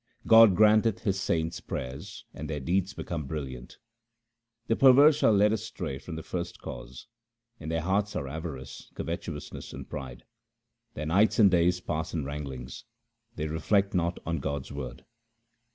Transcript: God granteth his saints' prayers, and their deeds become brilliant. The perverse are led astray from the First Cause ; in their hearts are avarice, covetousness, and pride. Their nights and days pass in wranglings ; they reflect not on God's word.